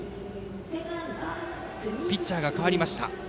ピッチャーが代わりました。